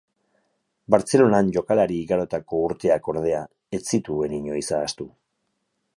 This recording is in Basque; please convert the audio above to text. Bartzelonan jokalari igarotako urteak ordea, ez zituen inoiz ahaztu.